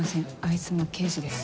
いつも刑事です。